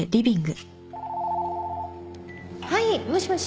はいもしもし。